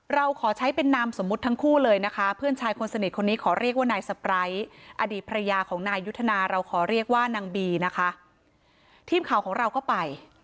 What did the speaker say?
เราขอใช้เป็นนามสมมุติทั้งคู่เลยนะคะเพื่อนชายคนสนิทคนนี้ขอเรียกว่านายสปร้ายอดีตภรรยาของนายยุทธนาเราขอเรียกว่านางบีนะคะทีมข่าวของเราก็ไป